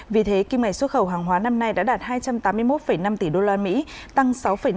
vì thế kim ngạch xuất khẩu hàng hóa năm nay đã đạt hai trăm tám mươi một năm tỷ usd tăng sáu năm